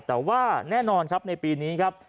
แต่ว่าแน่นอนครับในปีนี้ครับ